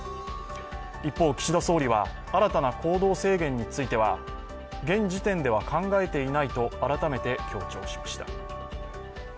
一方、岸田総理は新たな行動制限については現時点では考えていないと改めて強調しました。